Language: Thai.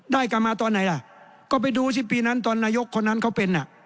ได้กลับมาตอนไหนล่ะก็ไปดูสิปีนั้นตอนนายกคนนั้นเขาเป็นอ่ะ